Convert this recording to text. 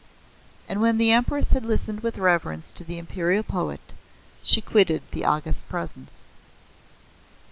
And when the Empress had listened with reverence to the Imperial Poet, she quitted the August Presence.